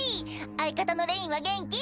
相方のレインは元気？